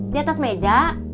di atas meja